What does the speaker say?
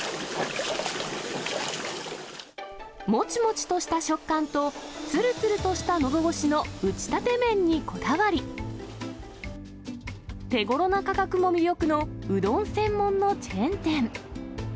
もちもちとした食感と、つるつるとしたのどごしの打ちたて麺にこだわり、手ごろな価格も魅力のうどん専門のチェーン店。